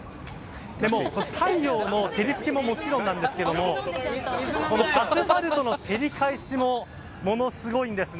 太陽の照りつけももちろんなんですけどアスファルトの照り返しもものすごいんです。